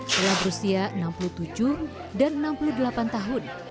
telah berusia enam puluh tujuh dan enam puluh delapan tahun